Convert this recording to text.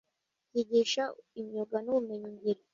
byigisha imyuga n’ubumenyingiro